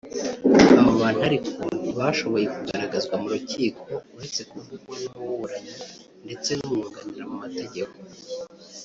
Abo bantu ariko ntibashoboye kugaragazwa mu rukiko uretse kuvugwa n’umuburanyi ndetse n’umwuganira mu mategeko